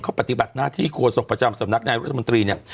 เขาปฏิบัติหน้าที่โฆษกประจำสำนักนายรัฐมนตรีเนี่ย